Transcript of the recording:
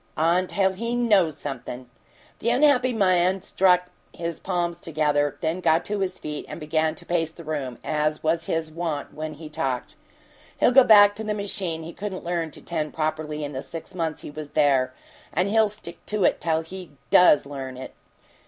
"Until he KNOWS something!" The unhappy man struck his palms together, then got to his feet and began to pace the room, as was his wont when he talked. "He'll go back to the machine he couldn't learn to tend properly in the six months he was there, and he'll stick to it till he DOES learn it!